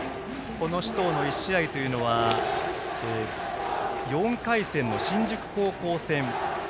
首藤の１試合というのは４回戦の新宿高校戦。